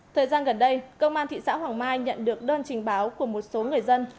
thời gian gần đây công an thị xã hoàng mai nhận được đơn trình báo của một số người dân